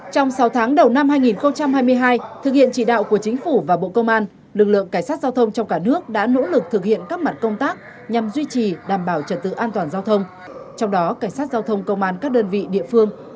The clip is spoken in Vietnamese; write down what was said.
trong sáu tháng đầu năm hai nghìn hai mươi hai thực hiện chỉ đạo của chính phủ và bộ công an lực lượng cảnh sát giao thông trong cả nước đã nỗ lực thực hiện các mặt công tác nhằm duy trì đảm bảo trật tự an toàn giao thông